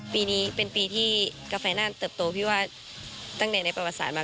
ปีนี้เป็นปีที่กาแฟน่านเติบโตพี่ว่าตั้งแต่ในประวัติศาสตร์มา